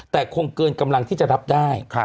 แต่คงเกินกำลังที่จะรับได้